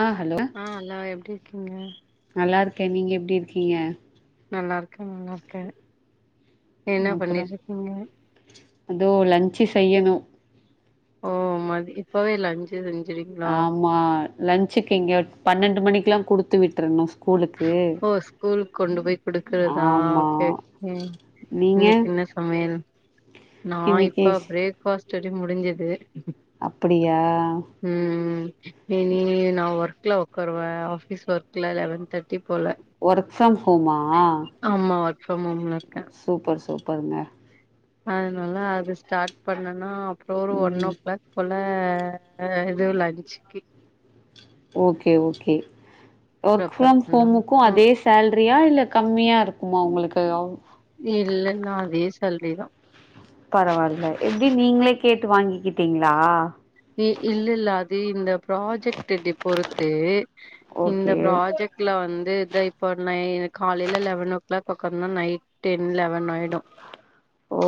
ஆ hello ஆ hello எப்டி இருக்கீங்க நல்லார்க்கே நீங்க எப்டி இருக்கீங்க நல்லார்க்கே நல்லார்க்கே என்ன பண்ணிட்டுருக்கீங்க இதோ லஞ்சு செய்யணு ஓ மதி போவே லஞ்சு செஞ்சரிங் ஆமா லன்சுக்கு இங்கே பன்னெண்டு மணிக்கெல்லா கொடுத்து விட்டுருணு ஸ்கூலுக்கு ஓ ஸ்கூல்கு கொண்டு போய் குடுக்கறதா ஆமா ஓகே ஓகே நீங்க இன்னைக்கு என்ன சமயல் நா இன்னைக்கு இப்ப பிரேக்பாஸ்ட் டுட்டி முடிஞ்சது அப்டியா ம் எனி‌ வே நா ஒர்க்ல ஒக்காருவே ஆஃபீஸ் ஒர்க்ல லெவன் தேர்ட்டி போல ஒர்க் ஃப்ரம் ஹோமா ஆமா ஒர்க் ஃப்ரம் ஹோம்லருக்கே சூப்பர் சூப்பர்ங்க அதுனால அது ஸ்டார்ட் பண்ணனு அப்றோ ஒரு ஒன் ஓ ம் கிளாக் போல எது லன்ச்சுக்கி okay okay work prepare from ஹோமுக்கு பண்ணனு அதே சேல்ரியா இல்ல கம்மியாருக்குமா உங்களுக்கு இல்ல நா அதே சேல்ரிதா பரவால்ல எப்டி நீங்ளே கேட்டு வாங்கிக்கிட்டீங்ளா இ இல்லெல்ல அது இந்த ப்ராஜெக்ட் டி டி பொறுத்து இந்த ஓகே ப்ராஜெக்ட் ல வந்து இத இப்போ நை காலைல லெவன் ஓ க்ளாக் ஒக்காந்தா நைட் டென் லெவன் னாய்டு ஓ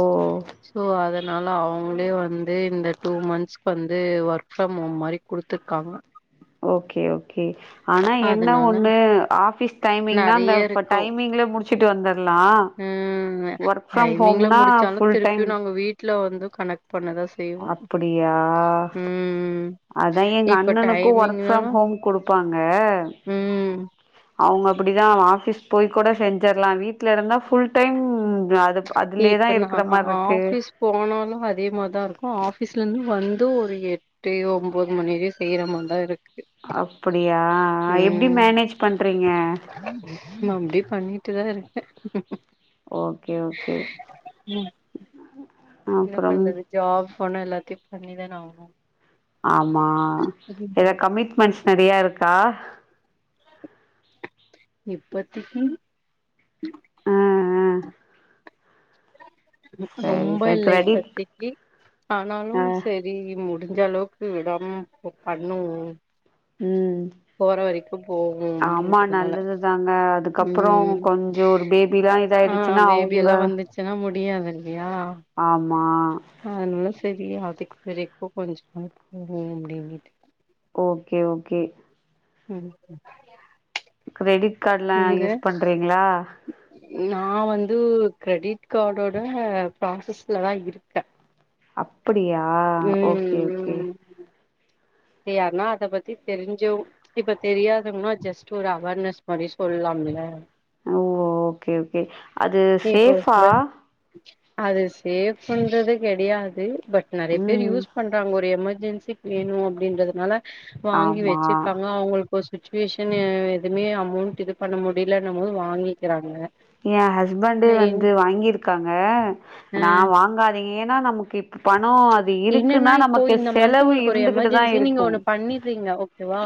ஸோ அதனால அவங்ளே வந்து இந்த டூ மன்த்ஸ் வந்து ஒர்க் ஃப்ரம் ஹோம் மாரி குடுத்துருக்காங்க ஓகே ஓகே ஆனா என்ன அதனால ஒன்னு ஆஃபீஸ் டைமிங்னா அந்த நெறைய இப்ப இருக்கு டைமிங்ல முடிச்சுட்டு வந்தர்லா ம் டைமிங்ல முடிச்சாலு ஃபுல் திருப்பியு டைம் நாங்க வீட்ல வந்து கனெக்ட் பண்ண தா அப்பிடியா அதா இப்ப எங்கண்ணனுக்கும் ஒர்க் ஃப்ரம் டைமிங்னாலு ஹோம் குடுப்பாங்க ம் அவுங்க அப்டிதா அவ ஆஃபீஸ் போய் கூட செஞ்சற்லா வீட்லருந்தா ஃபுல் டைம் அது அதுலயேதா இப்ப நா இருக்ற மார்ருக்கு ஆஃபீஸ் போனாலு அதே மாதாருக்கு ஆஃபீஸ்லந்து வந்து ஒரு எ ட்றயோ ஒம்போது மணி வரையி செய்ற மார்தாருக்கு அப்டியா எப்டி மேனேஜ் பண்றீங்க மப்டி பண்ணிட்டுதா இருக்கே ஓகே ஓகே ம் என்ன அப்புறம் பண்றது ஜாப் ஃபோனா எல்லாத்தையு பண்ணிதானே ஆவ்னு ஆமா எது கமிட்மென்ட்ஸ் நறையாருக்கா இப்பத்திக்கி ஆ ஆ ம் சரி ரொம்ப சரி இல்ல கிரெடிட் இப்பத்திக்கி ஆனாலு ஆ சே ரி முடிஞ்சளவுக்கு விடாம பண்ணுவோ ம் போற வரைக்கு போவோ ஆமா அப்டின்றதுனால நல்லதுதாங்க அதுக்கப்றோ ம் கொஞ் சோ ஒரு பேபிலா இதாயிடுச்சுன்னா அவுங்க சனா முடியாதில்லியா ஆமா அதனால செரி அதுக்கு வரைக்கு கொஞ்ச நாள் போவோ அப்டின்னுட்டு ஓகே ஓகே ம் கிரெடிட் கார்ட்ல்லா நீங்க யூஸ் பண்றீங்களா நா வந்து கிரெடிட் கார்டோட ப்ராசஸ்ல தாருக்கே அப்டியா ஓகே ம் ஓகே ஏ யார்னா அத பத்தி தெரிஞ்சோ இப்ப தெரியாதங்கன்னா ஜஸ்ட் ஒரு அவேர்னஸ் மாதிரி சொல்லலாம்ல ஓ ஓகே ஓகே அது இப்போ ஒரு சேஃபா சிலர் அது சேஃப்புன்றது கிடையாது பட் நெறைய பேர் ம் யூஸ் பண்றாங்க ஒரு எமர்ஜென்சிக்கு வேணு அப்டின்றதுனால வாங்கி ஆமா வச்சிருக்காங்க அவங்களுக் இப்ப சுச்சுவேஷன் எதுவுமே அமௌண்ட் இது பண்ண முடியலன மோது வாங்கிக்கிறாங்க எ ஹஸ்பண்டே வந்து வாங்கியிருக்காங்க அ நா வாங்காதீங்க ஏன்னா நமக்கு இப் என்னன்னா இப்போ இந்த மந்த் செலவு உங்களுக்கு ஒரு இருந்துகிட்டு தான் எமர்ஜென்சி நீங்க இருக்கும். ஒண்ணு பண்ணிர்றீங்க ஓகேவா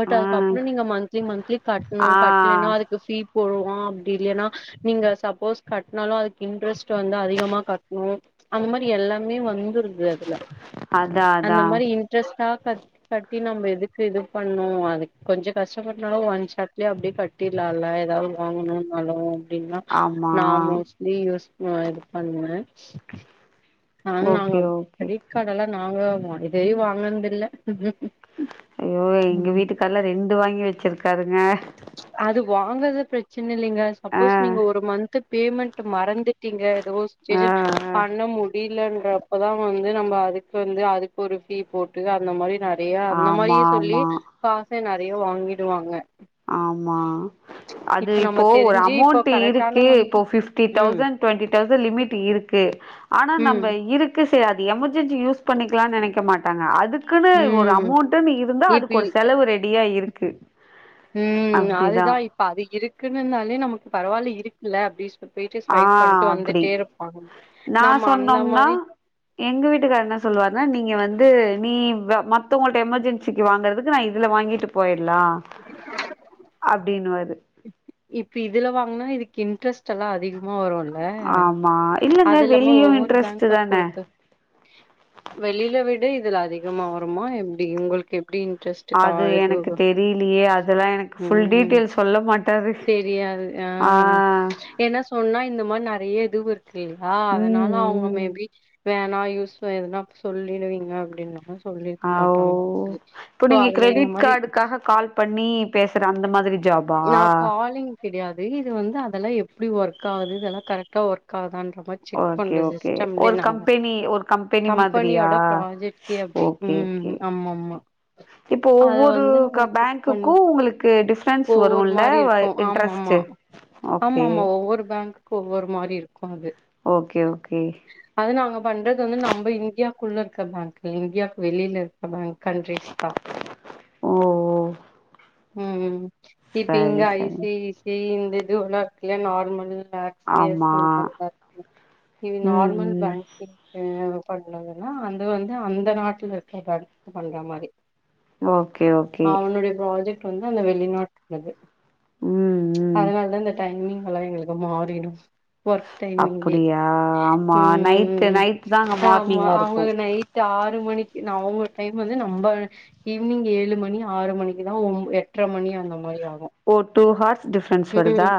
பட் ஆ அதுக்கப்றோ நீங்க மந்த்லி மந்த்லி கட்ணு ஆ கட்டலன்னா அதுக்கு ஃபீ போடுவா அப்டி இல்லன்னா நீங்க சப்போஸ் கட்டினாலு அதுக்கு இன்ட்ரெஸ்ட் வந்து அதிகமா கட்ணு அந்த மாரி எல்லாமே வந்துருது அதுல அதான் அந்த அதான். மாரி இன்ட்ரெஸ்டா கட் கட்டி நம்ம எதுக்கு இது பண்ணு அது கொஞ்சோ கஷ்டப்பட்டனாலு ஒன் ஷாட்லயே அப்படியே கட் அப்டிலா இல்ல ஏதாவது வாங்கணுன்னாலு அப்டின்னா ஆமா. ந மோஸ் ட்லி யூஸ் இது பண்ணுவ ஆன நாங்க ஓகே ஓகே. கிரெடிட் கார்ட்ல நாங்க வாங்குவோ இதையு வாங்கனது இல்ல ஐயோ எங்க வீட்டுக்காரர் எல்லா ரெண்டு வாங்கி வச்சிருக்காருங்க அது வாங்கறத பிரச்சன இல்லைங்க ஆ சப்போஸ் நீங்க ஒரு மந்த் பேமெண்ட் மறந்துட்டீங்க ஏதோ ஒரு ஆ சிச்சுவேஷன் ஆ. பண்ண மு முடியலன்றப்பதா வந்து நம்ம அதுக்கு வந்து அதுக்கு ஒரு ஃப்ஹி போட்டு அந்த மாரி நா நெறைய அந்த ஆமா மாரியே சொல்லி ஆமா. காச நெறைய வாங்கிடுவாங்க ஆமா அது இப்ப நம்ம இப்போ ஒரு தெரிஞ்சு இப்போ அமௌண்ட் கரெக்டான இருக்கு மந்த் இப்போ ஃபிப்டி ம் தௌசண்ட் டுவெண்டி தௌசண்ட் லிமிட் இருக்கு ஆனா ம் நம்ம இருக் செரி அது எமர்ஜென்சி யூஸ் பண்ணிக்கலாம்னு நெனைக்க மாட்டாங்க அதுக்கு இதுக்குனு ஒரு ம் அமௌண்ட்டுனு இருந்தா இப்ப அதுக்கு ஒரு செலவு ரெடியா இருக்கு ம் அப்டிதா அதுதா இப்ப அது இருக்குன்னாலே நமக்கு பரவாயில்ல இருக்குல்ல அப்டினு போய்ட்டு ஆ ஸ்வைப் பண்ணிட்டு அப்டி வந்துட்டே இருப்பாங்க நா நம்ம அந்த சொன்னோம்னா மாரி எங்க வீட்டுக்கார் என்ன சொல்லுவார்னா நீங்க வந்து நீ மத்தவங்கட்ட எமர்ஜென்சிக்கு வாங்கறதுக்கு நா இதுல வாங்கிட்டு போயிடலா அப்டின்னுவாரு இப்ப இதுல வாங்குனா இதுக்கு இன்ட்ரெஸ்ட் எல்லா அதிகோ லோன் வருல ஆமா இல்லங்க அது இல்லாம வெளியு ஒவ்வொரு இன்ட்ரெஸ்ட் பேங்க தான பொறுத்து வெளியில விட இதுல அதிகமா வருமா எப்டி உங்களுக்கு எப்டி இன்ட்ரெஸ்ட் அது எனக்கு தெரியலையே அதெல்லா எனக்கு ஃபுல் ம் டீட்டெயல் சொல்ல மாட் டாரு ஆ ஏன்னா சொன்னா இந்த மாரி நெறைய இதுவு இருக்கு இல்லையா ம் அதனால அவுங்க ம் மேபி வேணா யூஸ் எதுனா சொல்லிடுவீங்க அப்டின்னா சொல்லிருக்க ஆ ஓ மாட்டாங்க சோ அதுல இந்த மாரி அஹா கால் பண்ணி பேசுற அந்த மாதிரி ஜாபா நா காலிங் கிடயாது இது வந்து அதெல்லா எப்டி ஒர்க் ஆகுது இதெல்லா கரெக்டா ஒர்க் ஆகுதான் செக் ஓகே பண்றது ஓகே சிஸ்டம்லே ஒரு நாங்க கம்பெனி ஒரு கம்பெனி மாதிரியா கம்பெனியோட ப்ராஜெக்ட்கே அப்டி ஓகே ம் ஓகே ஆமா ஆமா இப்போ அத ஒவ்வொரு வந்து பேங்க்குக்கு உங்களுக்கு டிஃப் ஓ ஒவ்வொரு மாரி இருக்கு ஆமா ஆமா ஆமா ஓகே ஆமா ஒவ்வொரு பேங்க் க்கு ஒவ்வொரு மாரி இருக்கு அது ஓகே ஓகே அது நாங்க பண்றது வந்து நம்ம இந்தியாக்குள்ள இருக்க பேங்க்க் இந்தியாவுக் வெளியில இரு நம்ம கண்ட்ரீஸ் தா ஓ ஓ ம் ம் இட் இங்க சரி சரி ஐசி சி இந்த இது ஒல்லா இருக்குல்ல நார்மல்ல [unintelligible] ஆமா அந்த மாதிரில இருக்குல இது ம் நார்மல் ம் பேங்கிங் ஆ பண்ணதுன்னா அது வந்து அந்த நாட்டுல இருக்கிற பட பண்ற மாதி ஓகே ஓகே அவனுடைய ப்ராஜெக்ட் வந்து அந்த வெளிநாட் உள்ளது ம் ம் அதனாலதா இந்த டைமிங் எல்லா எங்களுக்கு மாறிடு ஒர்க் டைமிங்ளே அப்டியா ஆமா நைட்டு ம் நைட்டு தாங்க ஆமா மார்னிங்கா அவங்க இருக்கு நைட் டு ஆறு மணிக்கு அவங்க டைம் வந்து நம்ம ஈவினிங் ஏழு மணி ஆறு மணிக்குதா ஒம் எட்ரை மணி அந்த மாதிரி ஆகும் ஓ டூ ஹார்ஸ் டிஃப்ரன்ஸ் வருதா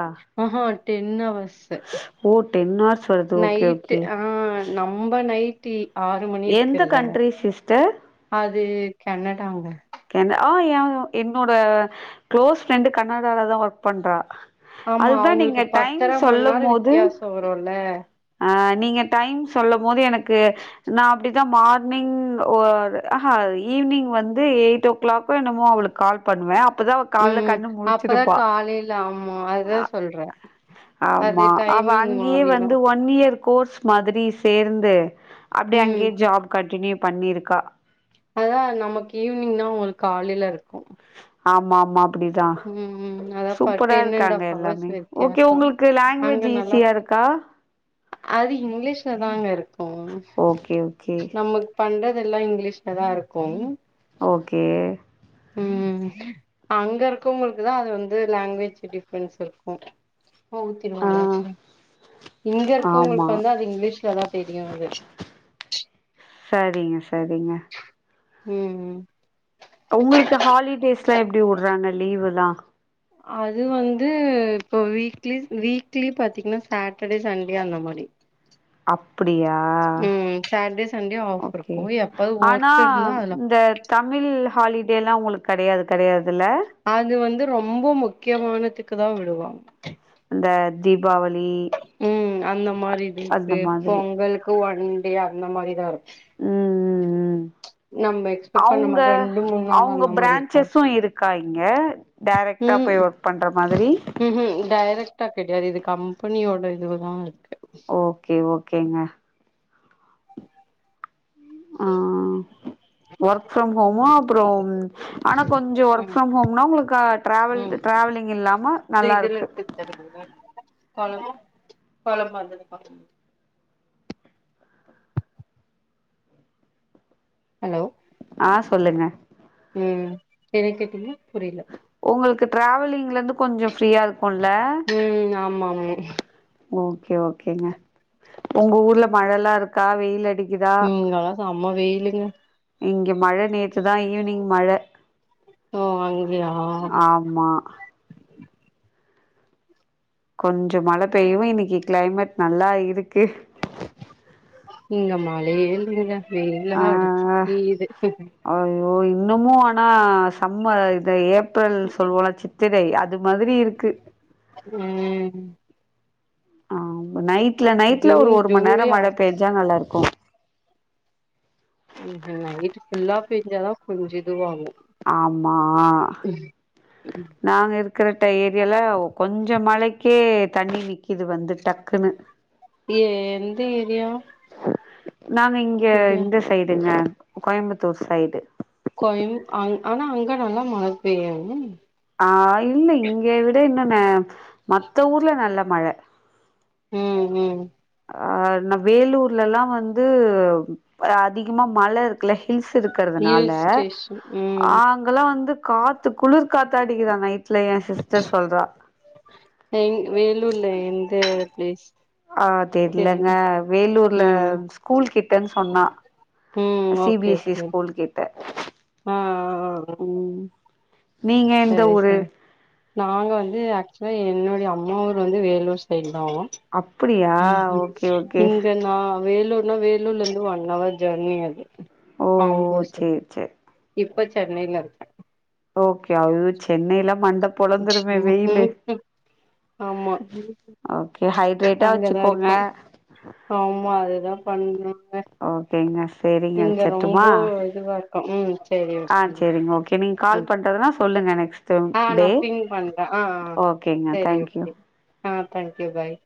அ ஹா டென் அவர்ஸ் ஓ டென் ஹவர்ஸ் வருது ஓகே நைட்டு ஓகே ஆ நம்ம நைட்டி எந்த கண்ட்ரி சிஸ்டர் அது கெனடாவ்ங்க என்ன ஆ யா என்னோட க்ளோஸ் ஃப்ரெண்டு கனடாலதான் ஒர்க் பண்றா ஆமா அதுதா நீங்க அவங்களுக்கு டைம் பத்தரை மணி சொல்லும் நேரம் போது வித்தியாசம் வரும்ல அ நீங்க டைம் சொல்லும் போது எனக்கு நான் அப்டி இந்த மார்னிங் ஓ அஹ ஈவினிங் வந்து எயிட் டு கிளாக் என்னமோ அவளுக்கு கால் பண்ணுவே அப்பதா ம் கால்ல ம் கண்ணு அப்பதா முழிச்சிருப்பா காலைல ஆமா அதா சொல்றே ஆமா அவ அங்கேயே வந்து மாறிடும் ஒன் ஒன் இயர் கோர்ஸ் மாதிரி சேர்ந்து அப்படியே ம் அங்கேயே ஜாப் கண்டினியூ பண்ணிருக்கா அதா நமக்கு ஈவினிங்னோ அவங்களுக்கு காலையில இருக்கும் ஆமாம்மா ம் ம் அதா பர் டென் அண்ட் இருக்காங்க ஆஃப் ஹவர்ஸ் எல்லாமே ஓகே வித்தியாசம் உங்களுக்கு அங்க லாங்குவேஜ் நல்லா ஈஸியா இருக்கா அது இங்கிலீஷ்ல தாங்க இருக்கும் ஓகே ஓகே நம்மக் பண்றது எல்லா இங்கிலீஷ்ல தா இருக்கும் ஓகே ம் அங்க இருங்கவுங்ளுக்கு தா அது வந்து லாங்வேஜ் டிஃப்ரன்ஸ் இருக்கும் ஊத்திரு ஆ வாங்க இங்க ஆமா இருக்கவங்களுக்கு வந்து அது இங்கிலீஷ்லதா தெரியு அது சரிங்க சரிங்க ம் ம் உங்களுக்கு ஹாலிடேஸ்லா எப்டி உடுறாங்க லீவுல்லா அது வந்து இப்போ வீக்லி வீக்லி பார்த்தீங்கன்னா சாட்டர்டே சண்டே அந்த மாதிரி அப்டியா ம் சாட்டர்டே சண்டே ஆஃப் ஓகே இருக்கு எப்பது ஆனா ஒர்க் இருந்தா அதுல இந்த தமிழ் ஹாலிடேலாம் உங்களுக்கு கிடையாது கிடையாது இல்ல அது வந்து ரொம்ப முக்கியமானதுக்கு தா விடுவா இந்த தீபாவளி ம் அந்த மாதிரி அந்த இதுக்கு மாதிரி பொங்கல் ஒன் டே அந்த மாதிரிதா இருக் ம் ம் ம் எக்ஸ்பெக்ட் பண்ண அவுங்க மாட்டோ ரெண்டு மூணு நாள் அவுங்க அந்த மாரி இருக்காது பிரான்ச்சஸு இருக் கா இங்க டேரெக்ட்டா போய் ஒர்க் பண்ற மாதிரி ம்ம் டைரெக்ட்டா கெடயாது இது கம்பெனியோட இதுவு தா இருக்கு ஓகே ஓகேங்க ஆ ஒர்க் ஃப்ரம் ஹோமு அப்பறோ ஆனா கொஞ்ச ஒர்க் ம் ஃப்ரம் ஹோம்னா உங்களுக்கா ட்ராவல் ம் ட்ராவலிங் இல்லாம நல்லாருக்கு சரி [inaudible] கொழம்பு கொழம்பு அங்கிர்ந்து [inaudible] ஹலோ ஆ சொல்லுங்க ம் என்ன கேட்டீங்க புரியில உங்களுக்கு ட்ராவலிங்லிர்ந்து கொஞ்ச ஃப்ரீயா இருக்குல்ல ம் ஆமா ஆமா ஓகே ஓகேங்க உங்க ஊர்ல மழல்லா இருக்கா வெயில் அடிக் ம் அதா செம்மா வெய்லுங்க இங்க மழ நேத்து தா ஈவ்னிங் மழ ஓ அங்கயா மா கொஞ்ச மழ பெய்யவு இன்னிக்கி க்ளைமெட் நல்லா இருக்கு இங்க மழயே இல்லங்க வெயிலா அடிச்சிக்கீது அய்யோ இன்னுமு ஆனா சம்மர் இந்த ஏப்ரல் சொல்லுவோல்ல சித் திரை அது மாதிரி இருக்கு ம் ஆமா நைட்ல நைட்ல ஜூன் ஒரு மண் நேரோ ஜூலை மழ ஆகஸ்ட் பேஞ்சா நல்லாருக்கு ம்ம் நைட்டு ஃபுல்லா பேஞ்சாதா கொஞ்சோ இதுவாகு ஆமா நாங்க இருக்கற ட ஏர் யால கொஞ்ச மழைக்கே தண்ணி நிக்கிது வந்து டக்குனு ஏ எந்த ஏரியா நாங்க இங்க ஏரியா இந்த சைடுங்க கோயம்முத்தூர் சைடு கொன் அங் ஆனா அங்க நல்லா மழ பெய்யு ஆ இல்ல இங்க விட இன்னு ந மத்த ஊர்ல நல்ல மழ ம் ம் ஆ ந வேலூர்லெல்லா வந்து அ அதிகமா மல இருக்குல்ல ஹில்ஸ் இருக் கறதுனால ஹில் ஸ்டேஷன் ம் ஆங் அங்கல்லா வந்து காத்து குளிர் காத்தாடிக்கிதா நைட்ல எ சிஸ்டர் சொல்றா எங் வேலூர்ல எந்த ப்ளேஸ் அ தெர்லங்க வேலூர்ல ம் ஸ்கூல்கிட்டன் சொன்னா ம் C B S C school கிட்ட ம் ம் நீங்க எந்த சரி ஊரு சர் நாங்க வந்து ஆக்சுலா என்னுடைய அம்மா ஊர் வந்து வேலூர் சைடு தா அப்டியா ம்ம் ஓகே ஓகே இங்க நா வேலூர்னா வேலூர்லர்ந்து ஒன் அவர் ஜர்னி வந்து ஓ ஆம்பூர் சைட் சேரி சேரி இப்ப சென்னைலருக்கே ஓகே அவு சென்னைல மண்ட பொளந்துருமே வெய்லு ம் ஆமா ஓகே ஹைட்ரேட்டா அங்கதா வச்சுக்கோங்க இருக்கே ஆமா அதுதா பண்ணனுங்க ஓகேங்க சேரிங்க இங்க வச்சர்ட்டுமா ரொம்போ இதுவாருக்கோ ம் சேரி ஓகே கே நீங்க கால் ம் பண்றதுனா சொல்லுங்க நெக்ஸ் ஆ நா பிங் பண்றே ஆ ஆ ஓகேங்க சேரி தேங்க்யூ ஓகே ஆ தேங்க்யூ பாய்